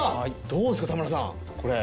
どうですか田村さんこれ。